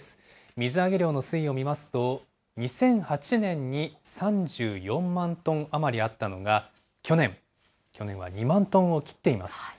水揚げ量の推移を見ますと、２００８年に３４万トン余りあったのが、去年は２万トンを切っています。